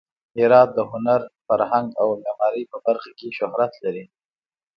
هرات د هنر، فرهنګ او معمارۍ په برخه کې شهرت لري.